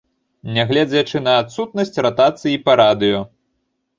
Нягледзячы на адсутнасць ратацыі па радыё.